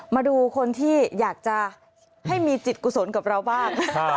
มาดูคนที่อยากจะให้มีจิตกุศลกับเราบ้าง